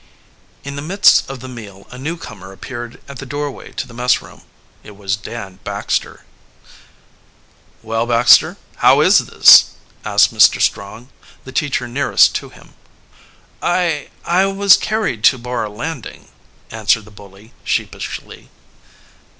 In the midst of the meal a newcomer appeared at the doorway to the messroom. It was Dan Baxter. "Well, Baxter, how is this?" asked Mr. Strong, the teacher nearest to him. "I I was carried to Bar Landing," answered the bully sheepishly.